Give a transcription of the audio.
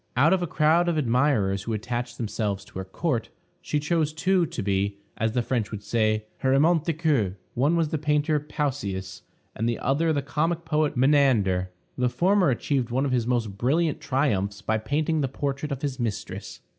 Out of a crowd of admirers who attached themselves to her court, she chose two to be, as the French would say, her amants de coeur. One was the painter Pausias; the other the comic poet Menander. The former achieved one of his most brilliant triumphs by painting the portrait of his mistress.